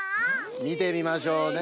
みてみましょうね。